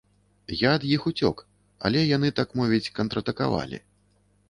Я ад іх уцёк, але яны, так мовіць, контратакавалі.